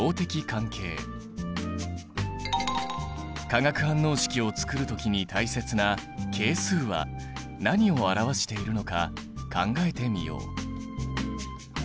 化学反応式をつくる時に大切な係数は何を表しているのか考えてみよう。